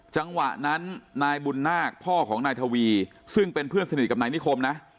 จังหวะนั้นนายบุญนาคพ่อของนายทวีซึ่งเป็นเพื่อนสนิทกับนายนิคมนะ